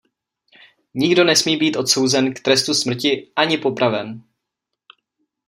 Nikdo nesmí být odsouzen k trestu smrti ani popraven.